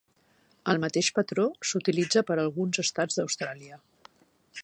El mateix patró s'utilitza per a alguns estats d'Austràlia.